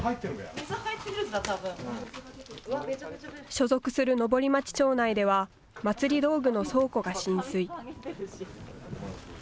所属する登町町内では、まつり道具の倉庫が浸水。